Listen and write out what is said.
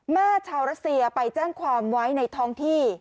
ชาวรัสเซียไปแจ้งความไว้ในท้องที่